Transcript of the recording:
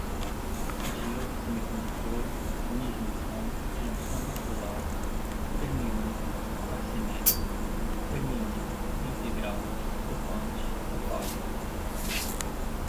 diodo semicondutor, unijunção, junção bipolar, termiônicos, arseneto, termiônica, integrados, dopante, dopagem